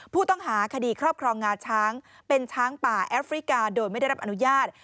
ผู้ต้องหาคดีครอบครองงาช้างเป็นช้างป่าแอฟริกาโดยไม่ได้รับอนุญาต